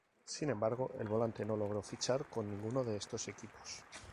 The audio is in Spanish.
Sin embargo, el volante no logró fichar con ninguno de estos equipos.